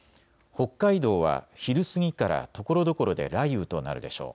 北海道は昼過ぎからところどころで雷雨となるでしょう。